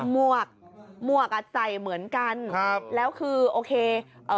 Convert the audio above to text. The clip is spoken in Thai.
มวกกับใสเหมือนกันแล้วคือโอเค